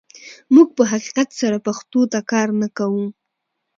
موږ په حقیقت سره پښتو ته کار نه کوو.